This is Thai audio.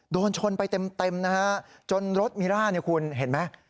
โดนชนไปเต็มนะฮะจนรถมิร่าเนี่ยคุณเห็นไหม